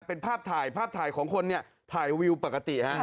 เป็นภาพถ่ายภาพถ่ายของคนเนี่ยถ่ายวิวปกติฮะ